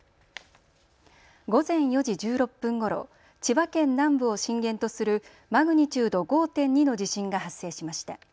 午前４時１６分ごろ、千葉県南部を震源とするマグニチュード５．２の地震が発生しました。